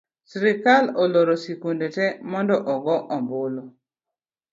Sirikal oloro sikunde tee mondo ogoo ombulu